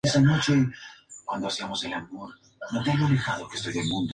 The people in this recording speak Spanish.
Las cabeceras de la estructura, fueron pintadas a nuevo.